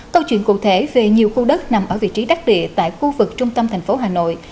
câu chuyện cụ thể về nhiều khu đất nằm ở vị trí đắc địa tại khu vực trung tâm thành phố hà nội